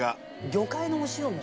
魚介のお塩も。